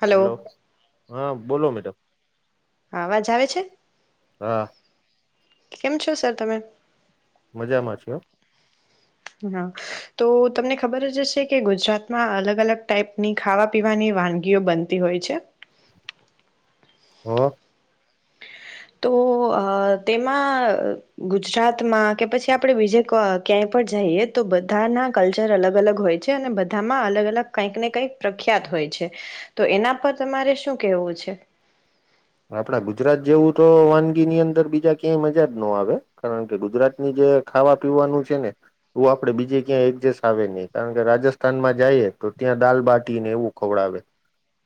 Hello hello, હા બોલો madam. હા, અવાજ આવે છે? હા કેમ છો સર, તમે? મજામાં છું, હા. હા, તો તમને ખબરજ હશે કે ગુજરાતમાં અલગ અલગ ટાઈપની ખાવા પીવાની વાનગીઓ બનતી હોય છે. હા. તો અ તેમાં ગુજરાતમાં કે પછી આપડે બીજે ક્યાંય પણ જઈએ, તો બધાના કલ્ચર અલગ અલગ હોય છે અને બધામાં અલગ અલગ કંઈક ને કંઈક પ્રખ્યાત હોય છે, તો એના પર તમારે શું કેહેવું છે? આપડા ગુજરાત જેવું તો વાનગીની અંદર બીજા ક્યાંય મજા જ ન આવે, કારણ કે ગુજરાતની જે ખાવા પીવાનું છે ને એવું આપડે બીજે ક્યાંય એડજસ્ટ આવે નઈ, કારણ કે રાજસ્થાનમાં જઈએ તો ત્યાં દાલ બાટી ને એવું ખવડાવે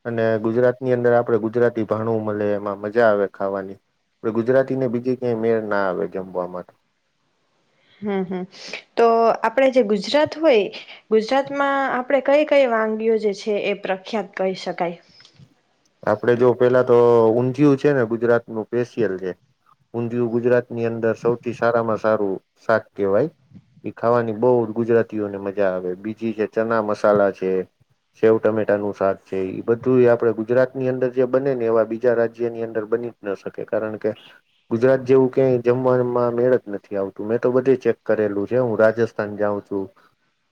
અને ગુજરાતની અંદર આપડે ગુજરાતી ભાણું મળે એમાં મજા આવે ખાવાની, પણ ગુજરાતી ને બીજી કઈ મેળ ના આવે જમવાવામાં. હમ્મ, હમ્મ તો આપડ જે ગુજરાત હોય, ગુજરાતમાં આપડે કઈ કઈ વાનગીઓ જે છે, એ પ્રખ્યાત કહી શકાય? આપડે જો પેલા તો ઊંધિય છે ને ગુજરાતનું સ્પેશિયલ છે. ઊંધિયું ગુજરાત ની અંદર સૌથી સારામાં સારું શાક કેહેવાય ખાવાની બહ ગુજરાતીઓને મજા આવે, બીજી છે ચના મસાલા છે, સેવ ટમેટાનું શાક છે, એ બધું આપડે ગુજરાત ગુજરાત. ની અંદર જે બને ને એવા બીજા રાજ્યની અંદર બનીજ ન શકે, કારણકે ગુજરાત જેવું કય જમવાવામાં મેળજ નથી આવતું. મેં તો બધે ચેક કરેલું છે, હું રાજસ્થાન જાઉં છું,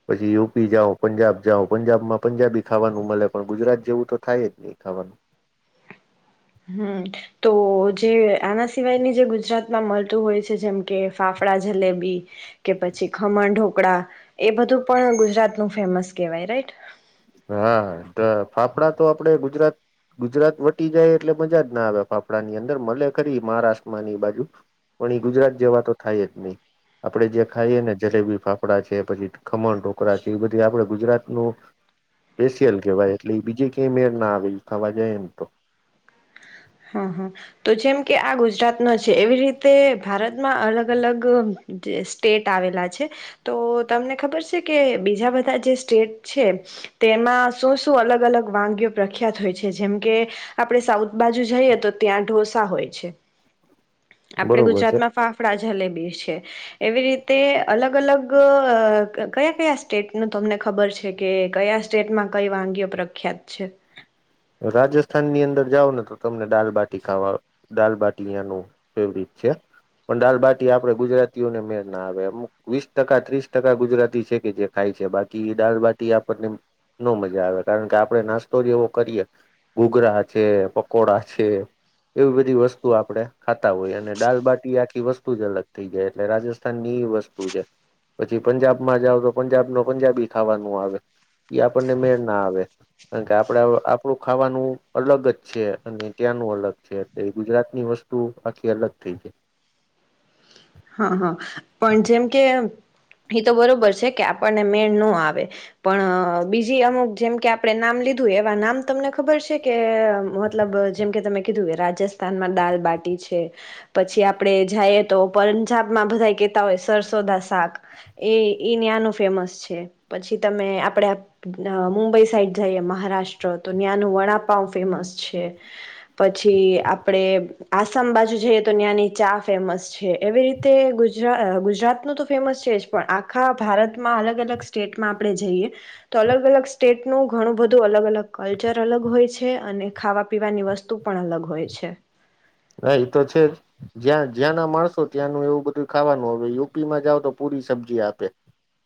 પછી યુપી જાઉં, પંજાબ જાઉં, પંજાબમાં પંજાબી ખાવાનું મળે, પણ ગુજરાત જેવું તો થાયજ નઈ, ખાવાનું. હમ્મ, તો જે આના સિવાયની જે ગુજરાતમાં મળતું હોય છે, જેમ કે ફાફડા જલેબી કે પછી ખમણ ઢોકળા એ બધું પણ ગુજરાતનું ફેમસ કહેવાય, રાઈટ? હા, ફાફડા તો આપડે ગુજરાત ગુજરાત વટી જાય એટલે મજાજ ના આવે ફાફડા ની અંદર, મલે ખરી મહારાષ્ટ્રમાં ને એ બાજુ પણ એ ગુજરાત જેવા તો થાયજ નઈ, આપડે જે ખાઈએ ને જલેબી ફાફડા છે, પછી ખમણ ઢોકરા છે, એ બધી આપડ ગુજરાતનું સ્પેશિયલ કહેવાય, એટલે એ બીજી કઈ મેળ ના આવે એ ખાવા જાયને તો. હા, હા, તો જેમ કે આ ગુજરાતનો છે, એવી રીતે ભારતમાં અલગ અલગ સ્ટેટ આવેલા છે, તો તમને ખબર છે કે બીજા બધા જે સ્ટેટ છે, તેમાં શું શું અલગ અલગ વાનગીઓ પ્રખ્યાત હોય છે, જેમ કે આપડે સાઉથ બાજુ જઈએ તો ત્યાં ઢોસા હોય છે. આપડે બરોબર છે ગુજરાતમાં ફાફડા જલેબી છે, એવી રીતે અલગ અલગ કયા કયા સ્ટેટનું તમને ખબર છે કે કયા સ્ટેટમાં કઈ વાનગીઓ પ્રખ્યાત છે. રાજસ્થાનની અંદર જાવ ને તો તમને દાલબાટી ખાવા દાલબાટીનું ફેવરિટ છે, પણ દાલબાટી આપણે ગુજરાતીઓને મેળ ના આવે અમુક વીસ ટકા ત્રીસ ટકા ગુજરાતી છે કે જે ખાય છે બાકી દાલબાટી આપણને, ન મજા આવે કારણ કે આપડે નાસ્તો જેવો કરીએ. ઘૂઘરા છે પકોડા છે, એવી બધી વસ્તુ આપણે ખાતા હોય અને દાલબાટી આખી વસ્તુ જ અલગ થઈ જાય એટલે રાજસ્થાન ની એ વસ્તુ છે, પછી પંજાબમાં જાવ તો પંજાબ ન પંજાબી ખાવાનું આવે, એ આપણને મેળ ના આવે, કારણ કે આપડ આપડું ખાવાનું અલગ જ છે અને ત્યાંનું અલગ છે એ ગુજરાતની વસ્તુ આખી અલગ થઈ જાય. હા હા, પણ જેમ કે એ તો બરોબર છે કે આપણને મેણ ન આવે, પણ બીજી અમુક જેમ કે આપણે નામ લીધું એવા નામ તમને ખબર છે કે મતલબ જેમકે તમે કીધું રાજસ્થાનમાં દાલબાટી છે, પછી આપણેે જઈએ તો પંજાબમાં બધા કેતા હોય સરસોદા શાક, એ ઈ ના્યાનું ફેમસ છે, પછી તમે આપડે મુંબઈ સાઈડ જઈએ મહારાષ્ટ્ર તો ના્યાનું વડાપઉ ફેમસ છે, પછી આપડે આસામ બાજુ જઈએ તો ના્યાની ચા ફેમસ છે. છે એવી રીતે ગુજરા ગુજરાતનું તો ફેમસ છે જ પણ આખા ભારતમાં અલગ અલગ સ્ટેટમાં આપણે જઈએ, તો અલગ અલગ સ્ટેટનું ઘણું બધું અલગ અલગ કલ્ચર અલગ હોય છે અને ખાવા પીવાની વસ્તુ પણ અલગ હોય છે. હા એ તો છે જ જ્યાં જ્યાંના માણસો ત્યાંનું એવું બધું ખાવાનું હવે યુપીમાં જાવ તો પૂરી સબ્જી આપે,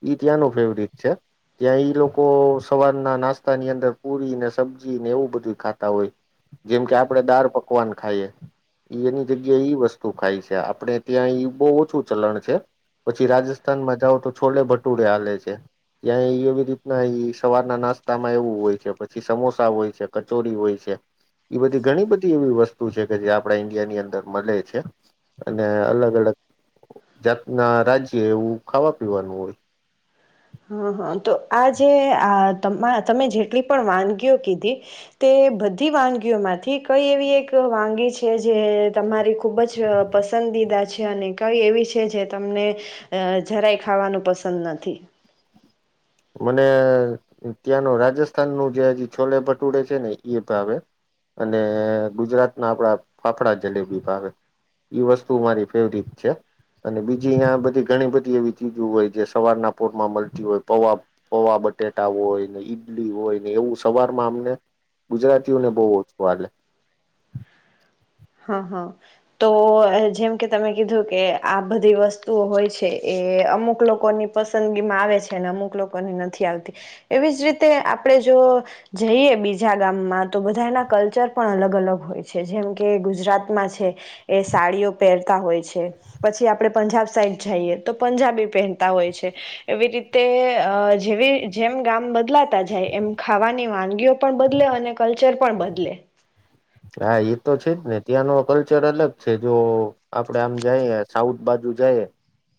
ઈ ત્યાંનું ફેવરિટ છે, ત્યાં ઈ લોકો સવારના નાસ્તાની અંદર પુરીને સબ્જીને એવું બધું ખાતા હોય, જેમ કે આપણે દાળ પકવાન ખાઈએ. એ એની જગ્યાએ ઈ વસ્તુ ખાય છે આપણે ત્યાં એ બહુ ઓછું ચલણ છે, પછી રાજસ્થાનમાં જાઓ તો છોલે ભટુડે હાલે છે, ત્યાં એ એવી રીતના સવારના નાસ્તામાં એવું હોય છે પછી સમોસા હોય છે કચોરી હોય છે, એ બધી ઘણી બધી એવી વસ્તુ છે કે જે આપણા ઈન્ડિયા ની અંદર મળે છે, અને અલગ અલગ જાતના રાજ્ય એવું ખાવા પીવાનું હોય. હ હા તો આ જે આ તમે જેટલી પણ વાનગીઓ કીધી, તે બધી વાનગીઓમાંથી કઈ એવી એક વાનગી છે જે તમારી ખૂબ જ પસંદીદા છે અને કઈ એવી છે જે તમને, જરાય ખાવાનું પસંદ નથી. મને ત્યાંનું રાજસ્થાન ન જે હજી છોલે ભટુડે છે ને એ ભાવે, અને ગુજરાતના આપડા ફાફડા જલેબી ભાવે, ઈ વસ્તુ મારી ફેવરિટ છે, અને બીજી અહીંયા બધી ઘણી બધી એવી ચીજો હોય જે સવારના પોરમાં મળતી હોય પવાબ પવા બટેટા હોય ને ઈડલી હોય ને એવું સવારમાં અમને ગુજરાતીઓને બહુ ઓછું વાલેે. હા હા, તો જેમ કે તમે કીધું કે આ બધી વસ્તુઓ હોય છે એ અમુક લોકોની પસંદગીમાં આવે છે ને અમુક લોકોની નથી આવતી, એવી જ રીતે આપડે જો જઈએ બીજા ગામમાં તો બધા એના કલ્ચર પણ અલગ અલગ હોય છે જેમ કે કે ગુજરાતમાં છે, એ સાડીઓ પહેરતા હોય છે, પછી આપડે પંજાબ સાઈડ જઈએ તો પંજાબી પહેરતા હોય છે, એવી રીતે જેવી જેમ ગામ બદલાતા જાય એમ ખાવાની વાનગીઓ પણ બદલે અને કલ્ચર પણ બદલે. હા એ તો છે જ ને ત્યાંનો કલ્ચર અલગ છે જો આપડે આમ જઈએ સાઉથ બાજુ જઈએ,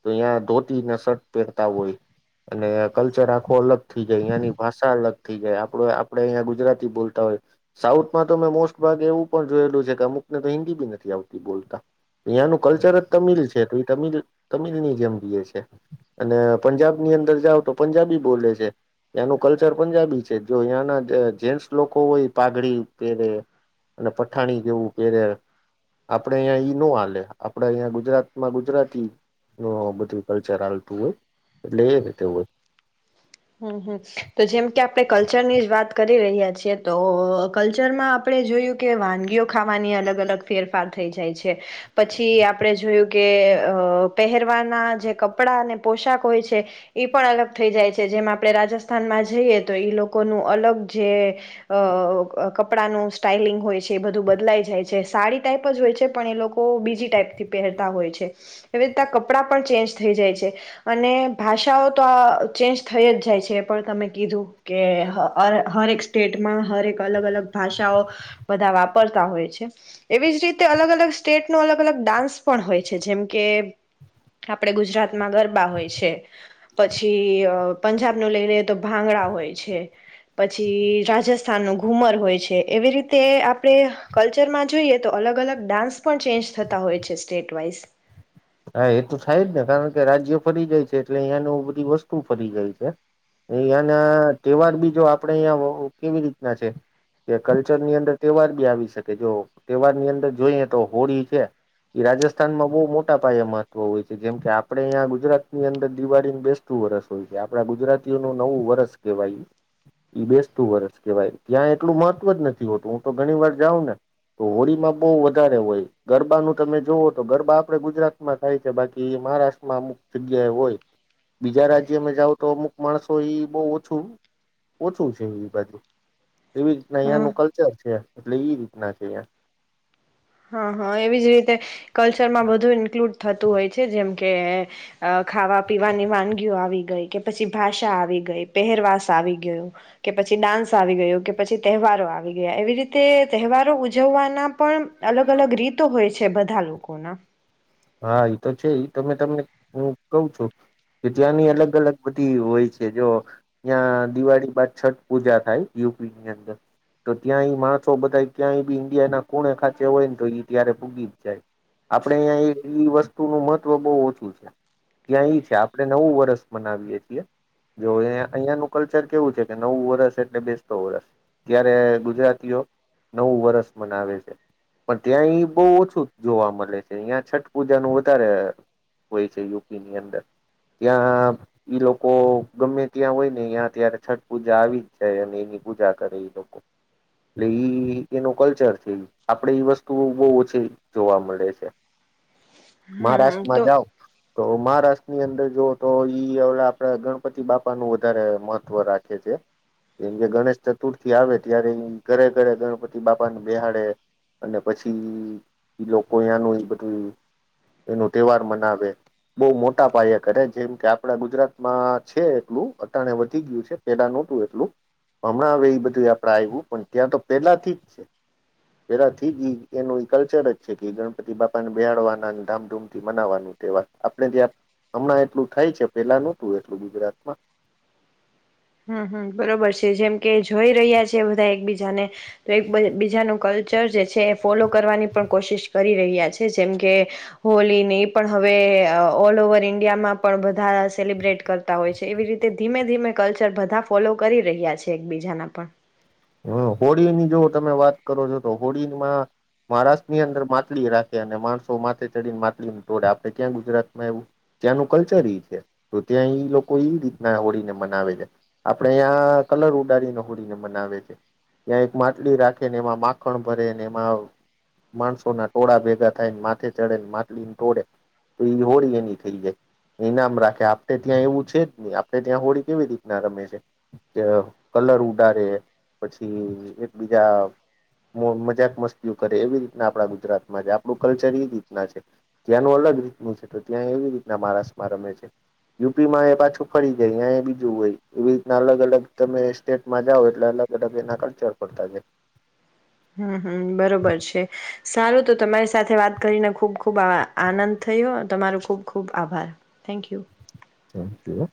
તો તહીં ધોતી ના શર્ટ પહેરતા હોય, અને કલ્ચર આખો અલગ થઈ જાય અંની ભાષા અલગ થઇ જાય આપડ આપડે અહીંયા ગુજરાતી બોલતા હોય, સાઉથમાં તો મેમે મોસ્ટ ભાગે એવું પણ જોયેલું છે કે અમુક ને તો હિન્દી બી નથી આવતી બોલતા, યાંનું કલ્ચર જ તમિલ છે તો એ તિલ તમિલ ની જેમ જએ છે, અને પંજાબ ની અંદર જાાવ તો પંજાબી બોલે છે, ત્યાંનું કલ્ચર પંજાબી છે જો યાંના જેન્ટ્સ લોકો હોય પાઘડી પેરે. અને પઠાણી જેવું પેરે, આપણે અહીંયા ઈ ન હાલે, આપણે અહીંયા ગુજરાતમાં ગુજરાતી ન બધું કલ્ચર ચાલતું હોય એટલે એ રીતે હોય. હમ હમ તો જેમ કે આપણે કલ્ચરની જ વાત કરી રહ્યા છીએ તો કલ્ચરમાં આપણે જોયું કે વાનગીઓ ખાવાની અલગ અલગ ફેરફાર થઈ જાય છે, પછી આપણે જોયું કે અ પહેરવાના જે કપડાં અને પોશાક હોય છે, એ પણ અલગ થઈ જાય છે. જેમ આપણે રાજસ્થાનમાં જઈએ તો એ લોકોનું અલગ જે, કપડાનું સ્ટાાઈલિંગ હોય છે એ બધું બદલાઈ જાય છે સાડી ટાઈપ જ હોય છે પણ એ લોકો બીજી ટાઈપથી પહેરતા હોય છે, એવી રીના કપડાં પણ ચેન્જ થઈ જાય છે, અને ભાષાઓ તો આ ચેન્જ થઈ જ જાય છે એ પણ તમે કીધું કે હરેક સ્ટેટમાં હરેક અલગ અલગ ભાષાઓ, બધા વાપરતા હોય છે, એવી જ રીતે અલગ અલગ સ્ટેટનો અલગ અલગ ડાન્સ પણ હોય છે જેમ કે આપણે ગુજરાતમાં ગરબા હોય છે, પછી પંજાબનું લઈ લઈએ તો ભાંગડા હોય છે, પછી રાજસ્થાનનું ઘૂમર હોય છે એવી રીતે આપણે કલ્ચરમાં જોઈએ તો અલગ અલગ ડાન્સ પણ ચેન્જ થતા હોય છે સ્ટેટ વાઈઝ. હા એ તો થાય જ ને કારણ કે રાજ્ય ફરી જાય છે એટલે અહિયાયાનું બધી વસ્તુ ફરી જાય છે, અહિયાંના તહેવાર બી જો આપણેે અહિયાં કેવી રીતના છે, કે કલ્ચરની અંદર તહેવાર બી આવી શકે જો તહેવાર ની અંદર જોઈએ તો હોળી છે, એ રાજસ્થાનમાં બહ મોટી મહત્વ હોય છે જેમ કે આપણેહીં ગુજરાત ની અંદર દિવાળીને બેસતું વરસ હોય છે આપણા ગુજરાતીઓનું નવું વરષ કહેવાય, બેસતું વરષ કહેવાય ત્યાં એટલું મહત્વ જ નથી હોતું હું તો ઘણી વાર જાઉં ને, તો હોળીમાં બહુ વધારે હોય ગરબાનું તમે જોવો તો ગરબા આપે ગુજરાત માં થાય છે, બાકી મહારાષ્ટ્રમાં અમુક જગ્યાએ હોય. બીજા રાજ્યમાં જાવ તો અમુક માણસો એ બો ઓછું, ઓછું છે એ બાજુ એવીજ રીતના હા અહિયાનું કલ્ચર છે. એટલે એ રીતના છે, અહીંયા હા હા એવીજ રીતે કલ્ચરમાં બધું ઈન્ક્લુડ થતું હોય છે, જેમકે ખાવા પીવાની વાનગીઓ આવી ગઈ, કે પછી ભાષા આવી ગઈ, પહેરવાસ આવી ગય, કે પછી ડાન્સ આવી ગયું, કે પછી તહેવારો આવી ગયા, એવી રીતે તહેવારો ઉજવવાના પણ અલગ અલગ રીતો હોય છે. છે બધા લોકોના હા, એતો છે તમે તમને હું કહું છું કે ત્યાંની અલગ અલગ બધી હોય છે, જો ત્યાં દિવાળી બાદ છઠ પૂજા થાય યુપની અંદર, તો ત્યાં માણસો બધા ક્યાંય બી ઈન્ડિયા ના કોણે ખાચે હોય ને તો એઈ ત્યારે ભૂગી જ જાય. આપડે અહીં એ ઈ વસ્તુનું મહત્વ બો ઓછું છે, ત્યાં ઈ છે આપડે નવું વરષ મનાવીય છીએ, જો અહીંયાનું કલ્ચર કેવું છે કે નવું વર્ષ એટલે બેસતો વરસ ત્યારે ગુજરાતીઓ નવું વરષ મનાવે છે, પણ ત્યાં ઈ બો ઓછું જોવા મળે છે. અહીં છઠ પૂજાનું વધારે હોય છે, યુપી ની અંદર. ત્યાં ઈ લોકો ગમે ત્યાં હોય ને ત્યાં ત્યારે છઠ પૂજા આવી જ જાય અને એની પૂજા કરે ઈ લોકો, એટલે ઈ એનું કલ્ચર છે, આપડે વસ્તુઓ બો ઓછી જોવા મળે છે. હમ હમ મહારાષ્ટ્રમાં તો જાઓ તો મહારાષ્ટ્રની અંદર જોુઓ તો ઈ હ આપડા ગણપતિ બાપાનું વધારે મહત્ત્વ રાખે છે, જેમકે ગણેશ ચતુર્થી આવે ત્યારે એમ ઘરે ઘરે ગણપતિ બાપાને બેહાડે અને પછી એ લોકો એનું એ નુંએ બધું એનું તહેવાર મનાવે, બો મોટા પયા કરે જેમકે આપડા ગુજરાતમાં છે એટલું અત્યારે વધી ગયું છે, પેલા નતું એટલું હમણાં હવે એ બધું આપ આવ્યું પણ ત્યાં તો પેલાથી જ છે, પેલાથીજ એનું કલ્ચર જ છે કે ગણપતિ બાપાને બેહડવાના ધામધૂમ થી મનાવવાનું તહેવાર આપડે ત્યાં હમણાં એટલું થાય છે, પેલા નતું એટલું ગુજરાતમાં હમ્મ, હમ્મ બરોબર છે જેમકે જોઈ રહ્યા છે બધા એકબીજાને, તો એક બીજાનું કલ્ચર જે છે એ ફોલો કરવાની પણ કોશિશ કરી રહ્યા છે, જેમકે હોલીને એ પણ હવે ઓલ ઓવર ઈન્ડિયામાં પણ બધા સેલિબ્રેટ કરતા હોય છે, એવી રીતે ધીમે ધીમે કલ્ચર બધા ફોલો કરી રહ્યા છે, એકબીજાના પણ હા, હોળીની જો તમે વાત કરો છો તો હોળીમાં મહારાષ્ટ્રની અંદર માટલી રાખે અને માણસો માથે ચડીને માટલી તોડે, આપડે ત્યાં ગુજરાતમાં એવું ત્યાંનું કલ્ચર છે તો ત્યાં લોકો એ રીતના હોળીને મનાવે છે, આપડે ત્યાં કલર ઉડાડીને હોળીને મનાવે છે. ત્યાં એક માટલી રાખે ને એમાં માખણ ભરે ને એમાં માણસોના ટોળા ભેગા થાયને માથે ચડે ને માટલીને ટોળે, તો એ હોળી એની થઈ જાય ઈનામ રાખે. આપડે ત્યાં એવું છે જ ની, આપડે ત્યાં હોળી કેવી રીતના રમે છે, કે કલર ઉડારે પછી એક બીજા મજાક મસ્તીઓ કરે એવી રીતના આપડા ગુજરાતમાં છે. આપડું કલ્ચર એ રીતના છે, ત્યાંનું અલગ રીતનું છે તો ત્યાં એવી રીતના મહારાષ્ટ્રમાં રમે છે. યુપીમાં એ પાછું ફરી જાય ત્યાં એ બીજું હોય. એવી રીતના અલગ અલગ તમે સ્ટેટમાં જાઓ એટલે અલગ [unintelligible] બેના કલ્ચર પડતા જાય. હમ્મ, હમ્મ, બરોબર છે. સારું તો તમારી સાથે વાત કરીને ખૂબ ખૂબ આનંદ થયો. તમારો ખુબ ખુબ આભાર, થેન્ક યુ. થેંક્યુંઅ.